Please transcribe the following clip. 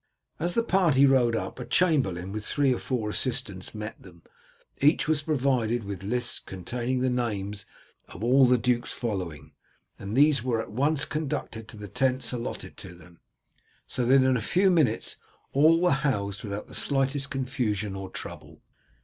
As the party rode up a chamberlain with three or four assistants met them. Each was provided with lists containing the names of all the duke's following, and these were at once conducted to the tents alloted to them, so that in a few minutes all were housed without the slightest confusion or trouble.